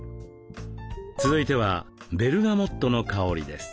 続いてはベルガモットの香りです。